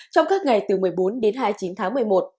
trong các ngày từ một mươi bốn đến hai mươi chín tháng một mươi một